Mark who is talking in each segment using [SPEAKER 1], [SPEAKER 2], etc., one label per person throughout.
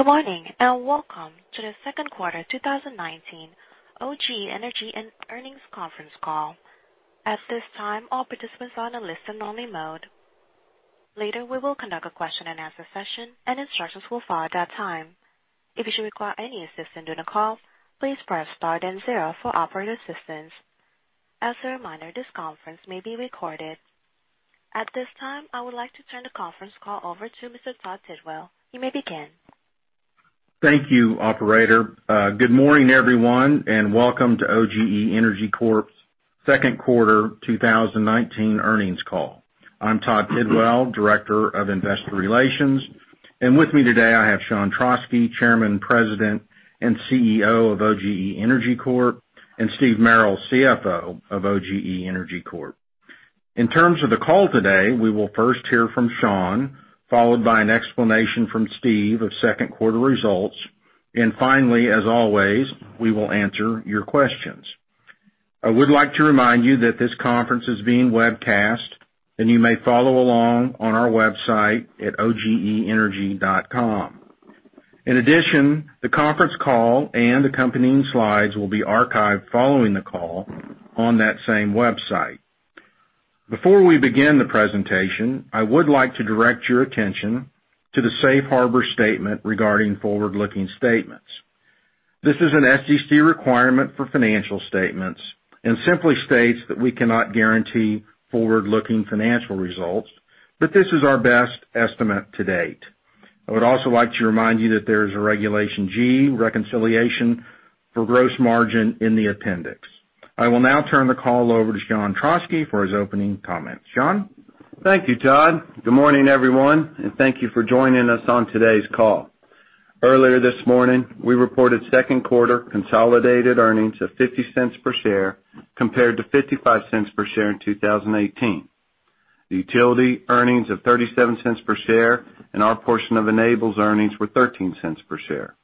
[SPEAKER 1] Good morning, and welcome to the second quarter 2019 OGE Energy and earnings conference call. At this time, all participants are in a listen-only mode. Later, we will conduct a question and answer session, and instructions will follow at that time. If you should require any assistance during the call, please press star then zero for operator assistance. As a reminder, this conference may be recorded. At this time, I would like to turn the conference call over to Mr. Todd Tidwell. You may begin.
[SPEAKER 2] Thank you, operator. Good morning, everyone, and welcome to OGE Energy Corp.'s second quarter 2019 earnings call. I'm Todd Tidwell, Director of Investor Relations. With me today, I have Sean Trauschke, Chairman, President, and CEO of OGE Energy Corp., and Steve Merrill, CFO of OGE Energy Corp. In terms of the call today, we will first hear from Sean, followed by an explanation from Steve of second quarter results. Finally, as always, we will answer your questions. I would like to remind you that this conference is being webcast, and you may follow along on our website at ogeenergy.com. In addition, the conference call and accompanying slides will be archived following the call on that same website. Before we begin the presentation, I would like to direct your attention to the safe harbor statement regarding forward-looking statements. This is an SEC requirement for financial statements and simply states that we cannot guarantee forward-looking financial results, but this is our best estimate to date. I would also like to remind you that there is a Regulation G reconciliation for gross margin in the appendix. I will now turn the call over to Sean Trauschke for his opening comments. Sean?
[SPEAKER 3] Thank you, Todd. Good morning, everyone, and thank you for joining us on today's call. Earlier this morning, we reported second quarter consolidated earnings of $0.50 per share compared to $0.55 per share in 2018. The utility earnings of $0.37 per share and our portion of Enable's earnings were $0.13 per share.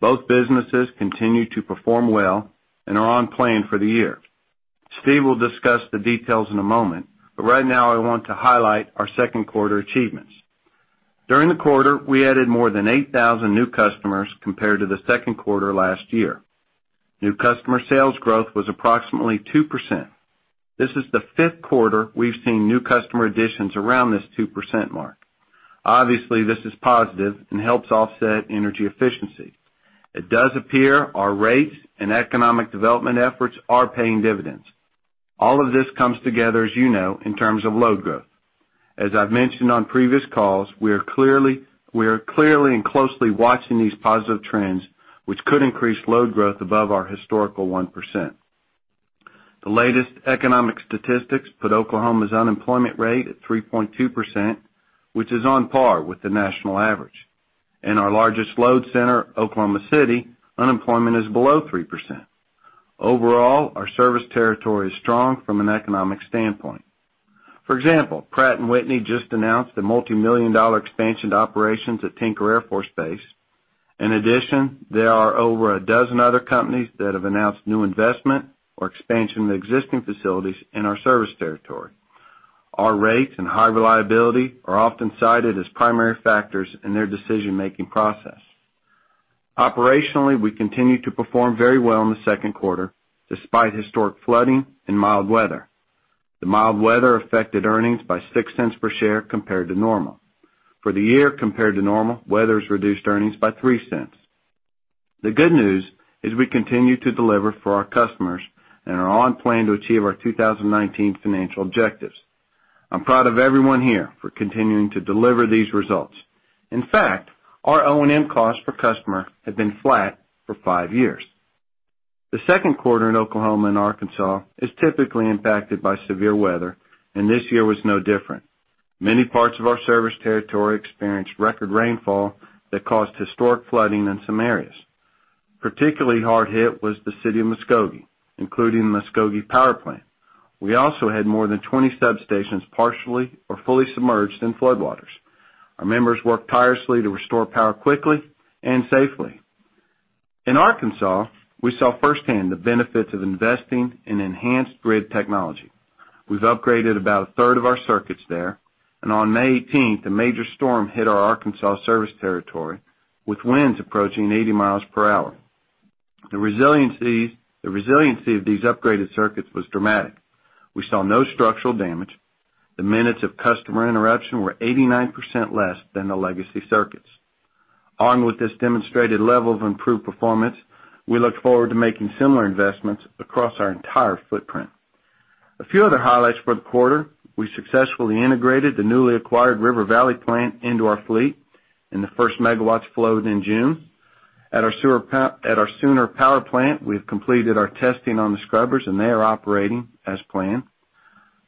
[SPEAKER 3] Both businesses continue to perform well and are on plan for the year. Steve will discuss the details in a moment, but right now I want to highlight our second quarter achievements. During the quarter, we added more than 8,000 new customers compared to the second quarter last year. New customer sales growth was approximately 2%. This is the fifth quarter we've seen new customer additions around this 2% mark. Obviously, this is positive and helps offset energy efficiency. It does appear our rates and economic development efforts are paying dividends. All of this comes together, as you know, in terms of load growth. As I've mentioned on previous calls, we are clearly and closely watching these positive trends, which could increase load growth above our historical 1%. The latest economic statistics put Oklahoma's unemployment rate at 3.2%, which is on par with the national average. In our largest load center, Oklahoma City, unemployment is below 3%. Overall, our service territory is strong from an economic standpoint. For example, Pratt & Whitney just announced a multimillion-dollar expansion to operations at Tinker Air Force Base. In addition, there are over a dozen other companies that have announced new investment or expansion to existing facilities in our service territory. Our rates and high reliability are often cited as primary factors in their decision-making process. Operationally, we continue to perform very well in the second quarter, despite historic flooding and mild weather. The mild weather affected earnings by $0.06 per share compared to normal. For the year compared to normal, weather's reduced earnings by $0.03. The good news is we continue to deliver for our customers and are on plan to achieve our 2019 financial objectives. I'm proud of everyone here for continuing to deliver these results. In fact, our O&M cost per customer had been flat for five years. The second quarter in Oklahoma and Arkansas is typically impacted by severe weather, and this year was no different. Many parts of our service territory experienced record rainfall that caused historic flooding in some areas. Particularly hard hit was the city of Muskogee, including Muskogee Power Plant. We also had more than 20 substations partially or fully submerged in floodwaters. Our members worked tirelessly to restore power quickly and safely. In Arkansas, we saw firsthand the benefits of investing in enhanced grid technology. We've upgraded about a third of our circuits there, and on May 18th, a major storm hit our Arkansas service territory with winds approaching 80 miles per hour. The resiliency of these upgraded circuits was dramatic. We saw no structural damage. The minutes of customer interruption were 89% less than the legacy circuits. Armed with this demonstrated level of improved performance, we look forward to making similar investments across our entire footprint. A few other highlights for the quarter, we successfully integrated the newly acquired River Valley plant into our fleet, and the first megawatts flowed in June. At our Sooner Power plant, we've completed our testing on the scrubbers, and they are operating as planned.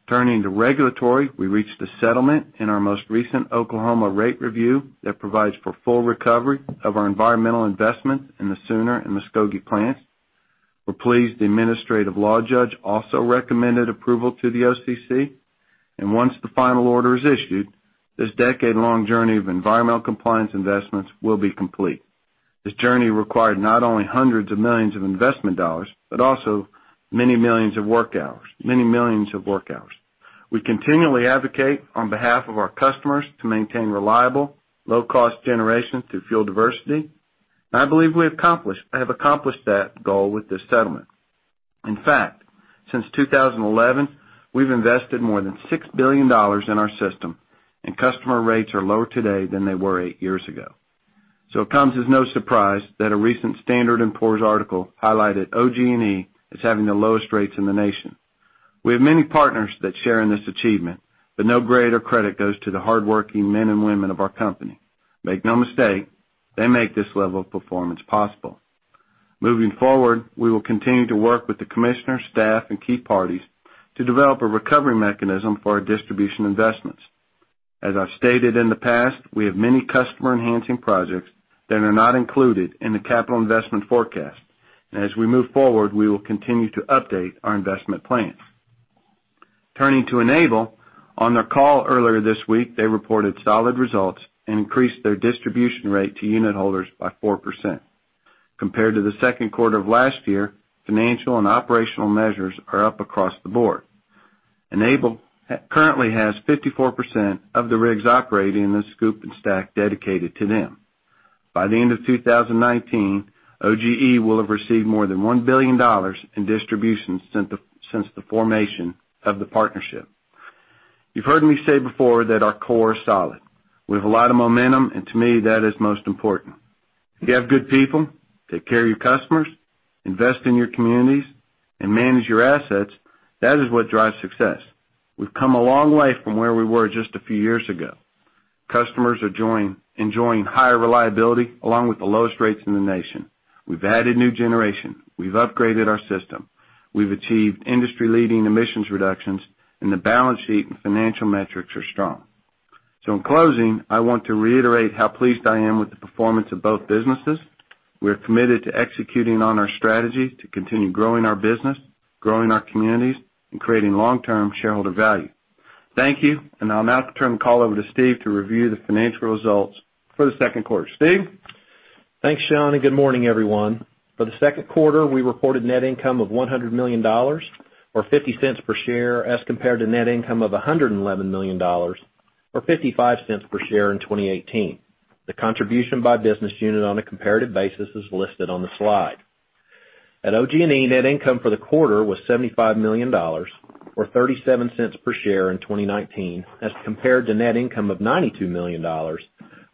[SPEAKER 3] Turning to regulatory, we reached a settlement in our most recent Oklahoma rate review that provides for full recovery of our environmental investment in the Sooner and Muskogee plants. We're pleased the administrative law judge also recommended approval to the OCC. Once the final order is issued, this decade-long journey of environmental compliance investments will be complete. This journey required not only hundreds of millions of investment dollars, but also many millions of work hours. We continually advocate on behalf of our customers to maintain reliable, low-cost generation through fuel diversity, and I believe we have accomplished that goal with this settlement. In fact, since 2011, we've invested more than $6 billion in our system, and customer rates are lower today than they were eight years ago. It comes as no surprise that a recent Standard & Poor's article highlighted OGE as having the lowest rates in the nation. We have many partners that share in this achievement, but no greater credit goes to the hardworking men and women of our company. Make no mistake, they make this level of performance possible. Moving forward, we will continue to work with the commissioner, staff, and key parties to develop a recovery mechanism for our distribution investments. As I've stated in the past, we have many customer-enhancing projects that are not included in the capital investment forecast. As we move forward, we will continue to update our investment plans. Turning to Enable, on their call earlier this week, they reported solid results and increased their distribution rate to unit holders by 4%. Compared to the second quarter of last year, financial and operational measures are up across the board. Enable currently has 54% of the rigs operating in the SCOOP and STACK dedicated to them. By the end of 2019, OGE will have received more than $1 billion in distributions since the formation of the partnership. You've heard me say before that our core is solid. We have a lot of momentum, and to me, that is most important. If you have good people, take care of your customers, invest in your communities, and manage your assets, that is what drives success. We've come a long way from where we were just a few years ago. Customers are enjoying higher reliability along with the lowest rates in the nation. We've added new generation. We've upgraded our system. We've achieved industry-leading emissions reductions, and the balance sheet and financial metrics are strong. In closing, I want to reiterate how pleased I am with the performance of both businesses. We're committed to executing on our strategy to continue growing our business, growing our communities, and creating long-term shareholder value. Thank you. I'll now turn the call over to Steve to review the financial results for the second quarter. Steve?
[SPEAKER 4] Thanks, Sean, and good morning, everyone. For the second quarter, we reported net income of $100 million, or $0.50 per share, as compared to net income of $111 million, or $0.55 per share in 2018. The contribution by business unit on a comparative basis is listed on the slide. At OGE, net income for the quarter was $75 million, or $0.37 per share in 2019, as compared to net income of $92 million, or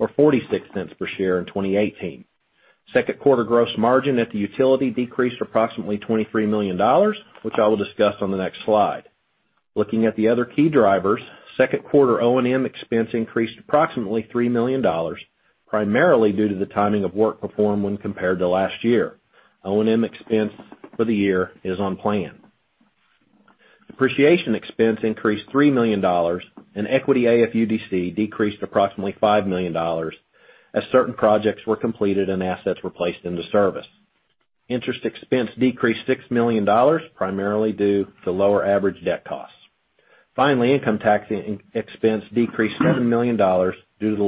[SPEAKER 4] $0.46 per share in 2018. Second quarter gross margin at the utility decreased approximately $23 million, which I will discuss on the next slide. Looking at the other key drivers, second quarter O&M expense increased approximately $3 million, primarily due to the timing of work performed when compared to last year. O&M expense for the year is on plan. Depreciation expense increased $3 million, and equity AFUDC decreased approximately $5 million as certain projects were completed and assets were placed into service. Interest expense decreased $6 million, primarily due to lower average debt costs. Finally, income tax expense decreased $7 million due to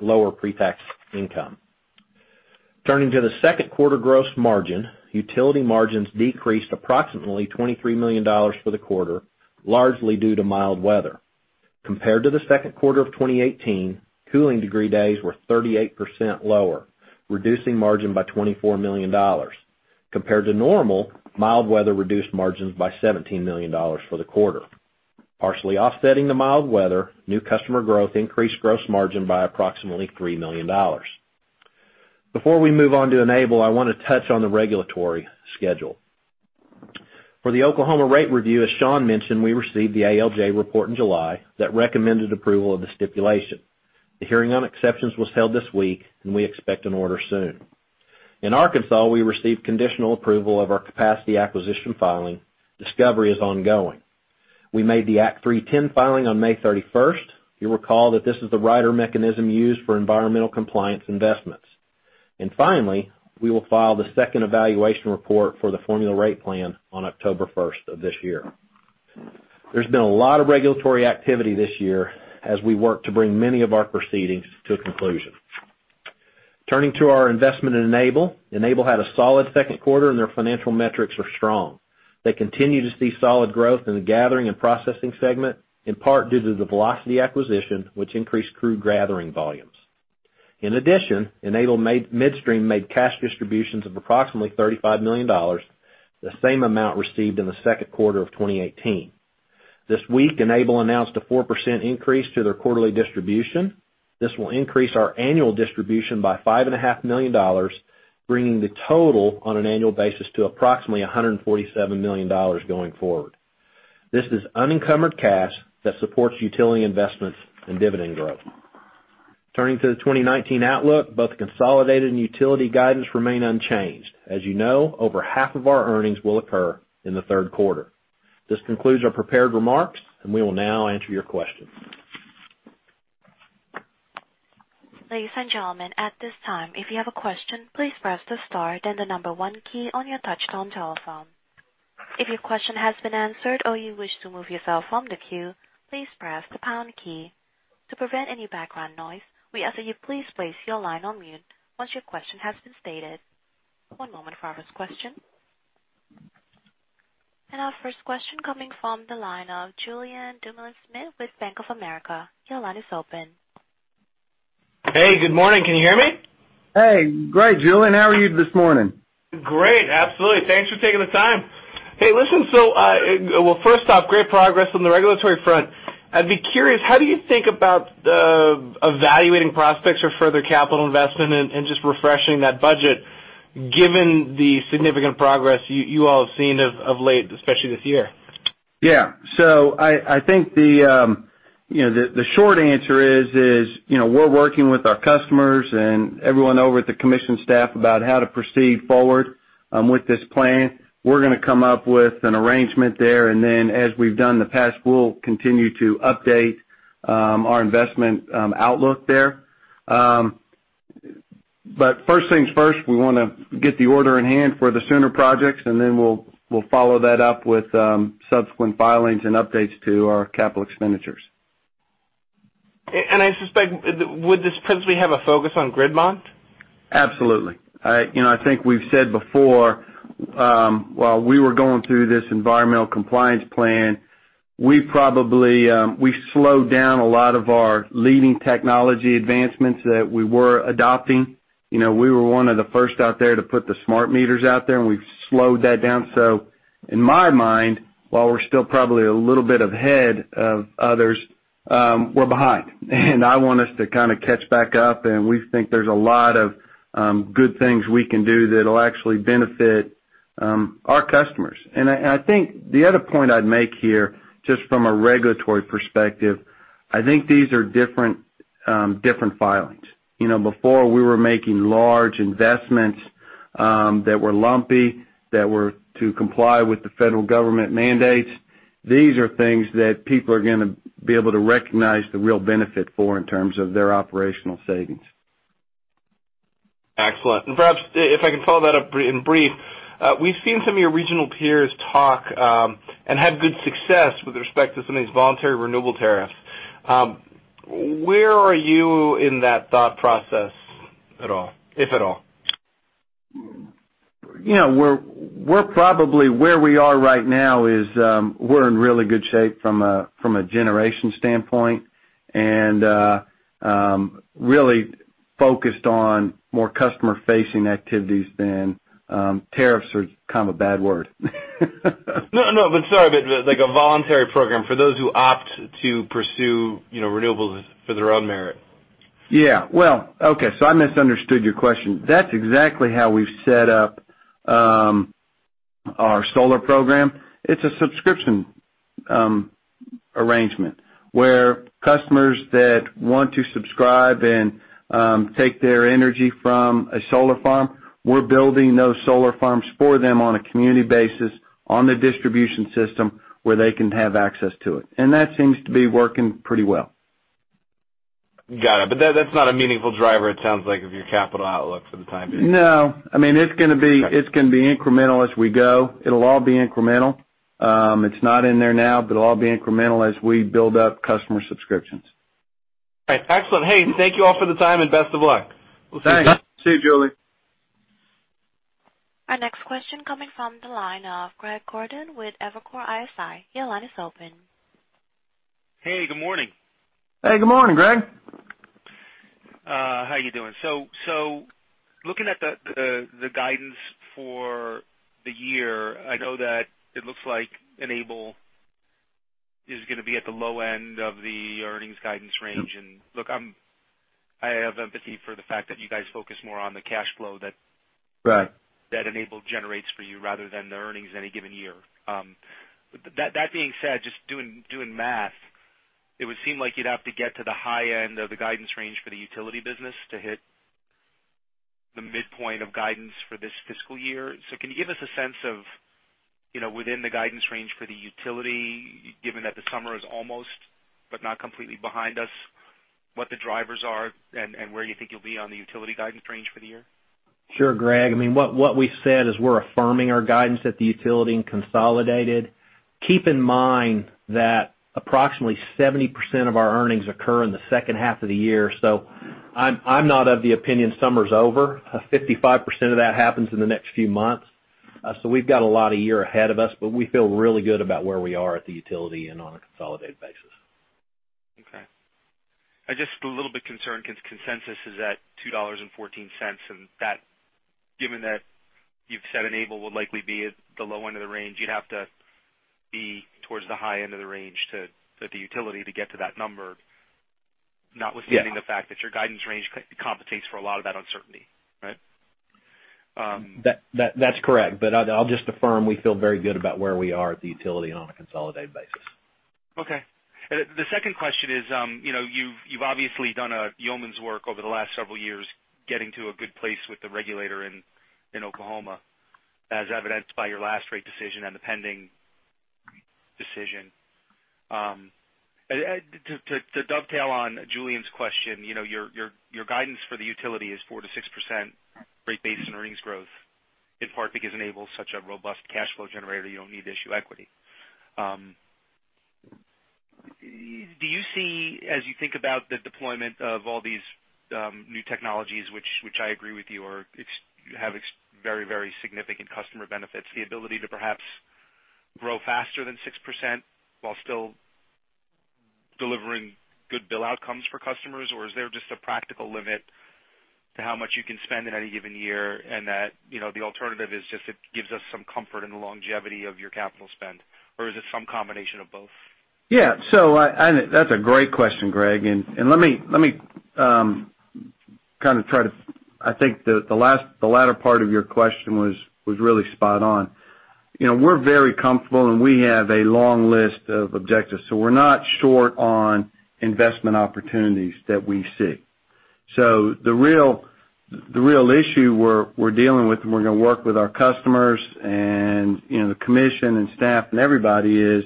[SPEAKER 4] lower pre-tax income. Turning to the second quarter gross margin, utility margins decreased approximately $23 million for the quarter, largely due to mild weather. Compared to the second quarter of 2018, cooling degree days were 38% lower, reducing margin by $24 million. Compared to normal, mild weather reduced margins by $17 million for the quarter. Partially offsetting the mild weather, new customer growth increased gross margin by approximately $3 million. Before we move on to Enable, I want to touch on the regulatory schedule. For the Oklahoma rate review, as Sean mentioned, we received the ALJ report in July that recommended approval of the stipulation. The hearing on exceptions was held this week, and we expect an order soon. In Arkansas, we received conditional approval of our capacity acquisition filing. Discovery is ongoing. We made the Act 310 filing on May 31st. You'll recall that this is the rider mechanism used for environmental compliance investments. Finally, we will file the second evaluation report for the formula rate plan on October 1st of this year. There's been a lot of regulatory activity this year as we work to bring many of our proceedings to a conclusion. Turning to our investment in Enable. Enable had a solid second quarter, and their financial metrics are strong. They continue to see solid growth in the gathering and processing segment, in part due to the Velocity acquisition, which increased crude gathering volumes. In addition, Enable Midstream made cash distributions of approximately $35 million, the same amount received in the second quarter of 2018. This week, Enable announced a 4% increase to their quarterly distribution. This will increase our annual distribution by $5.5 million, bringing the total on an annual basis to approximately $147 million going forward. This is unencumbered cash that supports utility investments and dividend growth. Turning to the 2019 outlook, both the consolidated and utility guidance remain unchanged. As you know, over half of our earnings will occur in the third quarter. This concludes our prepared remarks, and we will now answer your questions.
[SPEAKER 1] Ladies and gentlemen, at this time, if you have a question, please press the star then the number one key on your touch-tone telephone. If your question has been answered or you wish to move yourself from the queue, please press the pound key. To prevent any background noise, we ask that you please place your line on mute once your question has been stated. One moment for our first question. Our first question coming from the line of Julien Dumoulin-Smith with Bank of America. Your line is open.
[SPEAKER 5] Hey, good morning. Can you hear me?
[SPEAKER 3] Hey. Great, Julien. How are you this morning?
[SPEAKER 5] Great. Absolutely. Thanks for taking the time. Hey, listen. Well, first off, great progress on the regulatory front. I'd be curious, how do you think about evaluating prospects for further capital investment and just refreshing that budget given the significant progress you all have seen of late, especially this year?
[SPEAKER 3] Yeah. I think the short answer is, we're working with our customers and everyone over at the Commission staff about how to proceed forward with this plan. We're going to come up with an arrangement there, and then as we've done in the past, we'll continue to update our investment outlook there. First things first, we want to get the order in hand for the Sooner projects, and then we'll follow that up with subsequent filings and updates to our capital expenditures.
[SPEAKER 5] I suspect, would this principally have a focus on grid mod?
[SPEAKER 3] Absolutely. I think we've said before, while we were going through this environmental compliance plan, we slowed down a lot of our leading technology advancements that we were adopting. We were one of the first out there to put the smart meters out there, we've slowed that down. In my mind, while we're still probably a little bit ahead of others, we're behind. I want us to kind of catch back up, and we think there's a lot of good things we can do that'll actually benefit our customers. I think the other point I'd make here, just from a regulatory perspective, I think these are different filings. Before we were making large investments that were lumpy, that were to comply with the federal government mandates. These are things that people are going to be able to recognize the real benefit for in terms of their operational savings.
[SPEAKER 5] Excellent. Perhaps if I can follow that up in brief. We've seen some of your regional peers talk, and had good success with respect to some of these voluntary renewable tariffs. Where are you in that thought process at all, if at all?
[SPEAKER 3] Probably where we are right now is we're in really good shape from a generation standpoint and really focused on more customer-facing activities. Tariffs are kind of a bad word.
[SPEAKER 5] No, no, but sorry. Like a voluntary program for those who opt to pursue renewables for their own merit.
[SPEAKER 3] Yeah. Well, okay. I misunderstood your question. That's exactly how we've set up our solar program. It's a subscription arrangement where customers that want to subscribe and take their energy from a solar farm, we're building those solar farms for them on a community basis on the distribution system where they can have access to it. That seems to be working pretty well.
[SPEAKER 5] Got it. That's not a meaningful driver, it sounds like, of your capital outlook for the time being.
[SPEAKER 3] No. It's going to be incremental as we go. It'll all be incremental. It's not in there now, but it'll all be incremental as we build up customer subscriptions.
[SPEAKER 5] All right. Excellent. Hey, thank you all for the time and best of luck.
[SPEAKER 3] Thanks. See you, Julien.
[SPEAKER 1] Our next question coming from the line of Greg Gordon with Evercore ISI. Your line is open.
[SPEAKER 6] Hey, good morning.
[SPEAKER 3] Hey, good morning, Greg.
[SPEAKER 6] How you doing? Looking at the guidance for the year, I know that it looks like Enable is going to be at the low end of the earnings guidance range. Look, I have empathy for the fact that you guys focus more on the cash flow.
[SPEAKER 3] Right
[SPEAKER 6] that Enable generates for you rather than the earnings any given year. That being said, just doing math, it would seem like you'd have to get to the high end of the guidance range for the utility business to hit the midpoint of guidance for this fiscal year. Can you give us a sense of within the guidance range for the utility, given that the summer is almost, but not completely behind us, what the drivers are and where you think you'll be on the utility guidance range for the year?
[SPEAKER 3] Sure, Greg. What we've said is we're affirming our guidance at the utility and consolidated. Keep in mind that approximately 70% of our earnings occur in the second half of the year. I'm not of the opinion summer's over. 55% of that happens in the next few months. We've got a lot of year ahead of us, but we feel really good about where we are at the utility and on a consolidated basis.
[SPEAKER 6] Okay. Just a little bit concerned because consensus is at $2.14, and given that you've said Enable will likely be at the low end of the range, you'd have to be towards the high end of the range at the utility to get to that number. Notwithstanding the fact that your guidance range compensates for a lot of that uncertainty, right?
[SPEAKER 3] That's correct. I'll just affirm we feel very good about where we are at the utility and on a consolidated basis.
[SPEAKER 6] Okay. The second question is, you've obviously done a yeoman's work over the last several years getting to a good place with the regulator in Oklahoma, as evidenced by your last rate decision and the pending. To dovetail on Julien's question, your guidance for the utility is 4%-6% rate base and earnings growth, in part because Enable is such a robust cash flow generator, you don't need to issue equity. Do you see, as you think about the deployment of all these new technologies, which I agree with you, have very significant customer benefits, the ability to perhaps grow faster than 6% while still delivering good bill outcomes for customers? Or is there just a practical limit to how much you can spend in any given year and that the alternative is just it gives us some comfort in the longevity of your capital spend? Is it some combination of both?
[SPEAKER 3] That's a great question, Greg. I think the latter part of your question was really spot on. We're very comfortable and we have a long list of objectives, so we're not short on investment opportunities that we see. The real issue we're dealing with, and we're going to work with our customers and the commission and staff and everybody is,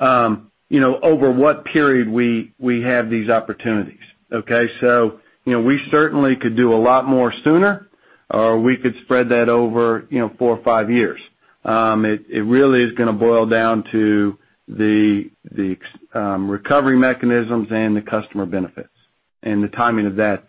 [SPEAKER 3] over what period we have these opportunities. Okay? We certainly could do a lot more sooner, or we could spread that over four or five years. It really is going to boil down to the recovery mechanisms and the customer benefits and the timing of that.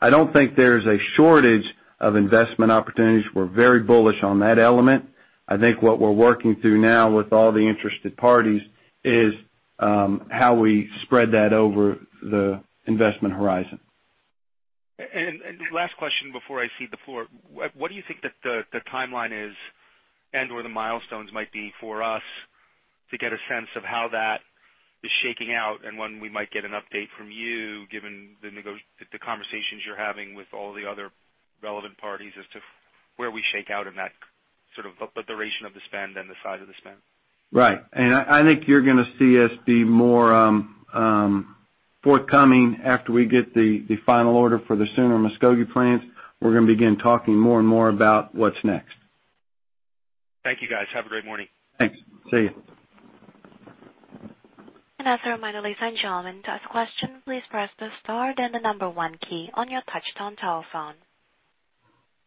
[SPEAKER 3] I don't think there's a shortage of investment opportunities. We're very bullish on that element. I think what we're working through now with all the interested parties is how we spread that over the investment horizon.
[SPEAKER 6] Last question before I cede the floor. What do you think that the timeline is and/or the milestones might be for us to get a sense of how that is shaking out and when we might get an update from you, given the conversations you're having with all the other relevant parties as to where we shake out in that sort of the duration of the spend and the size of the spend?
[SPEAKER 3] Right. I think you're going to see us be more forthcoming after we get the final order for the Sooner and Muskogee plants. We're going to begin talking more and more about what's next.
[SPEAKER 6] Thank you, guys. Have a great morning.
[SPEAKER 3] Thanks. See you.
[SPEAKER 1] As a reminder, ladies and gentlemen, to ask a question, please press the star then the number one key on your touchtone telephone.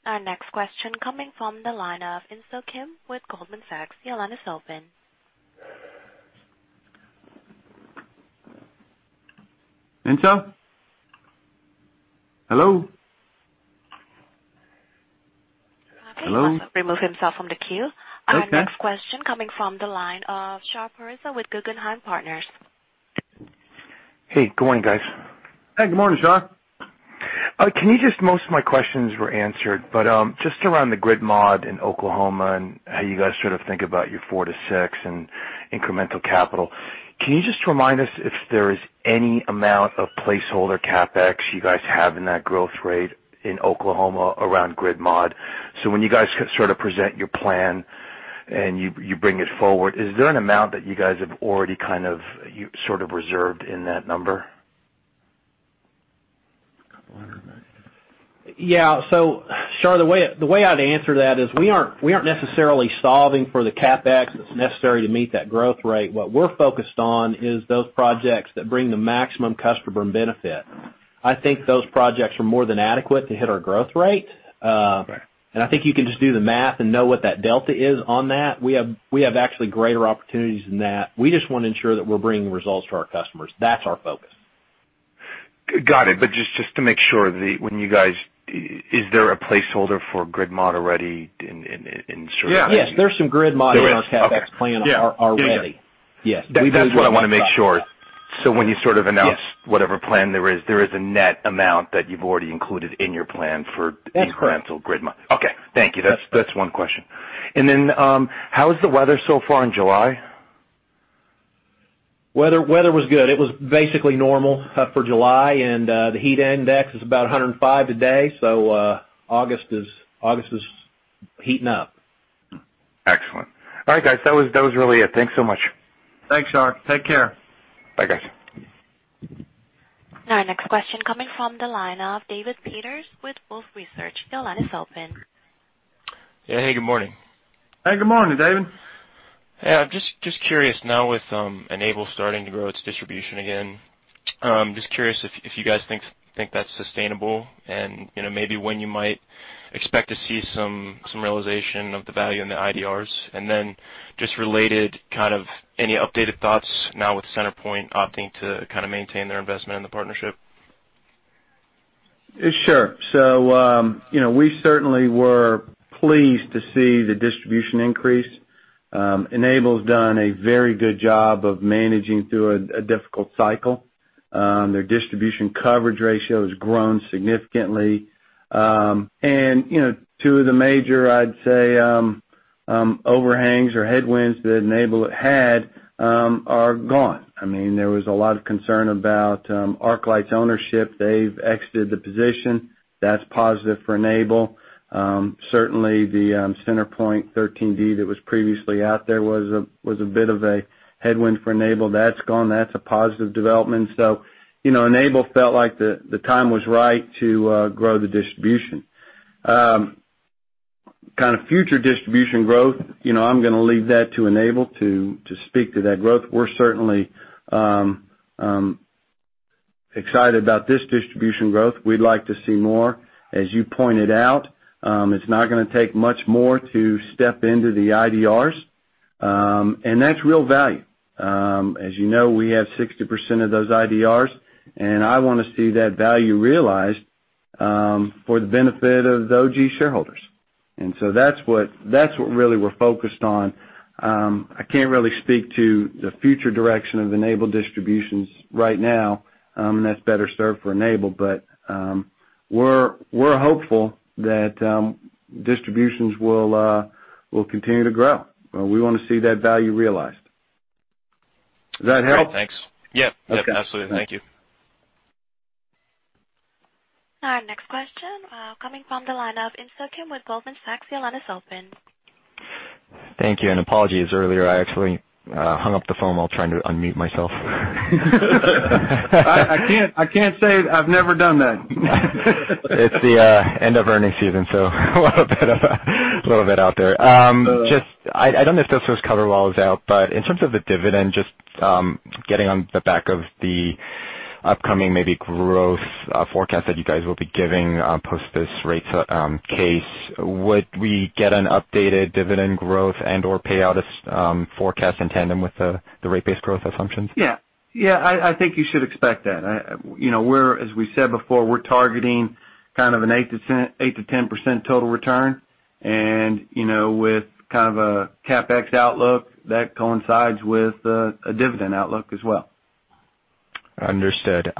[SPEAKER 1] Our next question coming from the line of Insoo Kim with Goldman Sachs. Your line is open.
[SPEAKER 3] Insoo? Hello?
[SPEAKER 1] Okay.
[SPEAKER 3] Hello?
[SPEAKER 1] He must have removed himself from the queue.
[SPEAKER 3] Okay.
[SPEAKER 1] Our next question coming from the line of Shahriar Pourreza with Guggenheim Partners.
[SPEAKER 7] Hey, good morning, guys.
[SPEAKER 3] Hey, good morning, Sean.
[SPEAKER 7] Most of my questions were answered, just around the grid mod in Oklahoma and how you guys sort of think about your 4-6 in incremental capital, can you just remind us if there is any amount of placeholder CapEx you guys have in that growth rate in Oklahoma around grid mod? When you guys sort of present your plan and you bring it forward, is there an amount that you guys have already sort of reserved in that number?
[SPEAKER 3] A couple hundred, maybe.
[SPEAKER 4] Yeah. Sean, the way I'd answer that is we aren't necessarily solving for the CapEx that's necessary to meet that growth rate. What we're focused on is those projects that bring the maximum customer benefit. I think those projects are more than adequate to hit our growth rate.
[SPEAKER 7] Okay.
[SPEAKER 4] I think you can just do the math and know what that delta is on that. We have actually greater opportunities than that. We just want to ensure that we're bringing results to our customers. That's our focus.
[SPEAKER 7] Got it. Just to make sure, is there a placeholder for grid mod already in sort of?
[SPEAKER 4] Yeah. Yes, there's some grid mod in our CapEx plan already.
[SPEAKER 7] There is? Okay. Yeah. There you go.
[SPEAKER 4] Yes.
[SPEAKER 7] That's what I want to make sure. When you sort of announce-
[SPEAKER 4] Yes
[SPEAKER 7] whatever plan there is, there is a net amount that you've already included in your plan for-
[SPEAKER 4] That's correct.
[SPEAKER 7] incremental grid mod. Okay. Thank you. That's one question. How is the weather so far in July?
[SPEAKER 4] Weather was good. It was basically normal for July, and the heat index is about 105 today. August is heating up.
[SPEAKER 7] Excellent. All right, guys. That was really it. Thanks so much.
[SPEAKER 3] Thanks, Sean. Take care.
[SPEAKER 7] Bye, guys.
[SPEAKER 1] Our next question coming from the line of David Peters with Wolfe Research. Your line is open.
[SPEAKER 8] Yeah. Hey, good morning.
[SPEAKER 3] Hey, good morning, David.
[SPEAKER 8] Yeah. Just curious now with Enable starting to grow its distribution again. Just curious if you guys think that's sustainable and maybe when you might expect to see some realization of the value in the IDRs. Then just related, kind of any updated thoughts now with CenterPoint opting to kind of maintain their investment in the partnership?
[SPEAKER 3] Sure. We certainly were pleased to see the distribution increase. Enable's done a very good job of managing through a difficult cycle. Their distribution coverage ratio has grown significantly. Two of the major, I'd say, overhangs or headwinds that Enable had are gone. There was a lot of concern about ArcLight's ownership. They've exited the position. That's positive for Enable. Certainly, the CenterPoint 13D that was previously out there was a bit of a headwind for Enable. That's gone. That's a positive development. Enable felt like the time was right to grow the distribution. Kind of future distribution growth, I'm going to leave that to Enable to speak to that growth. We're certainly excited about this distribution growth. We'd like to see more. As you pointed out, it's not going to take much more to step into the IDRs. That's real value. As you know, we have 60% of those IDRs, I want to see that value realized for the benefit of the OGE shareholders. That's what really we're focused on. I can't really speak to the future direction of Enable distributions right now. That's better served for Enable. We're hopeful that distributions will continue to grow. We want to see that value realized. Does that help?
[SPEAKER 8] Great. Thanks. Yeah. Okay. Absolutely. Thank you.
[SPEAKER 1] Our next question coming from the line of Insoo Kim with Goldman Sachs. Your line is open.
[SPEAKER 9] Thank you. Apologies earlier. I actually hung up the phone while trying to unmute myself.
[SPEAKER 3] I can't say I've never done that.
[SPEAKER 9] It's the end of earnings season, so a little bit out there.
[SPEAKER 3] Sure.
[SPEAKER 9] I don't know if this was covered while I was out, but in terms of the dividend, just getting on the back of the upcoming maybe growth forecast that you guys will be giving post this rates case, would we get an updated dividend growth and/or payout forecast in tandem with the rate-based growth assumptions?
[SPEAKER 3] Yeah. I think you should expect that. As we said before, we're targeting kind of an 8%-10% total return. With kind of a CapEx outlook, that coincides with a dividend outlook as well.
[SPEAKER 9] Understood.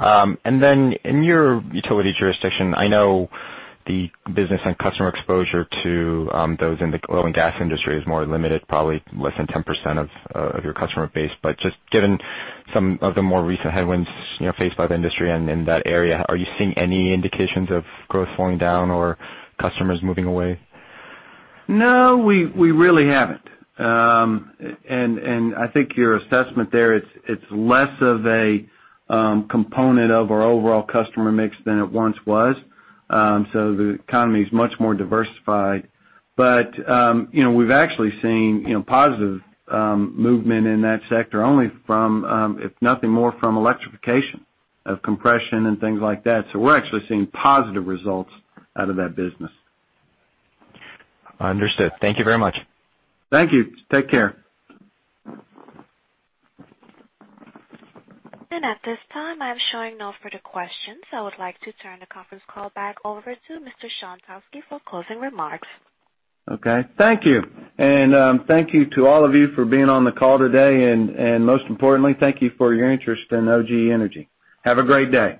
[SPEAKER 9] In your utility jurisdiction, I know the business and customer exposure to those in the oil and gas industry is more limited, probably less than 10% of your customer base. Given some of the more recent headwinds faced by the industry and in that area, are you seeing any indications of growth slowing down or customers moving away?
[SPEAKER 3] No, we really haven't. I think your assessment there, it's less of a component of our overall customer mix than it once was. The economy's much more diversified. We've actually seen positive movement in that sector only from, if nothing more, from electrification of compression and things like that. We're actually seeing positive results out of that business.
[SPEAKER 9] Understood. Thank you very much.
[SPEAKER 3] Thank you. Take care.
[SPEAKER 1] At this time, I'm showing no further questions. I would like to turn the conference call back over to Mr. Trauschke for closing remarks.
[SPEAKER 3] Okay. Thank you. Thank you to all of you for being on the call today, and most importantly, thank you for your interest in OGE Energy. Have a great day.